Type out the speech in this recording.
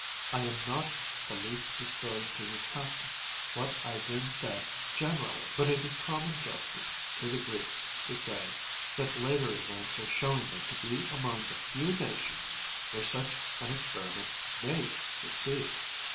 I am not the least disposed to retract what I then said generally, but it is common justice to the Greeks to say that later events are showing them to be among the few nations where such an experiment may succeed.